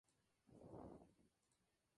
Godofredo se rebeló y fue apresado.